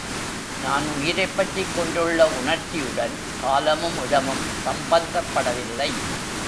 நான் உயிரைப் பற்றிக் கொண்டுள்ள உணர்ச்சியுடன் காலமும் இடமும் சம்பந்தப்படவில்லை.